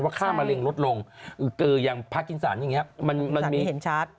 ว่าข้ามะเร็งลดลงอย่างภาคกินสารอย่างนี้